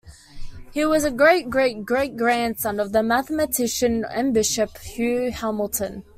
He was a great-great-great-grandson of the mathematician and bishop Hugh Hamilton.